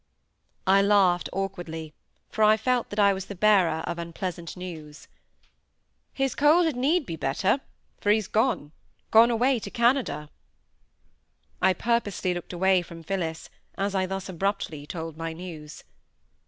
I laughed awkwardly; for I felt that I was the bearer of unpleasant news. "His cold had need be better—for he's gone—gone away to Canada!" I purposely looked away from Phillis, as I thus abruptly told my news.